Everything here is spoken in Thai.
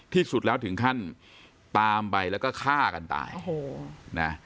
ที่สุดแล้วถึงขั้นตามไปแล้วก็ฆ่ากันตายโอ้โหนะ